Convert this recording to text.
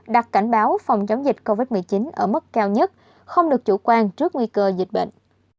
đặt cảnh báo phòng chống dịch covid một mươi chín ở mức cao nhất không được chủ quan trước nguy cơ dịch bệnh